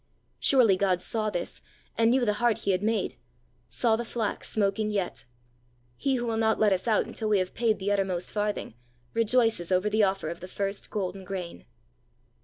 Surely God saw this, and knew the heart he had made saw the flax smoking yet! He who will not let us out until we have paid the uttermost farthing, rejoices over the offer of the first golden grain.